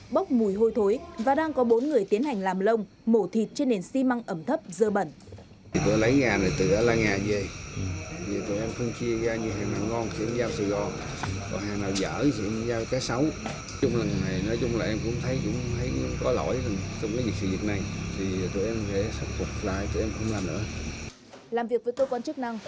bốc mùi hôi thối và đang có bốn người tiến hành làm lông mổ thịt trên nền xi măng ẩm thấp dơ bẩn